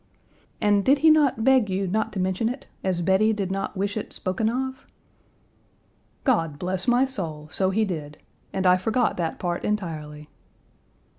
"And did he not beg you not to mention it, as Bettie did not wish it spoken of?" "God bless my soul, so he did. And I forgot that part entirely."